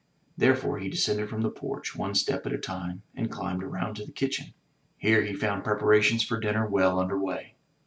Therefore he descended from the porch, one step at a time, and climbed around to the kitchen. Here he found preparations for dinner well under way.